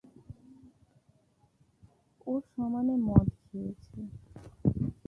ও সমানে মদ খেয়েছে।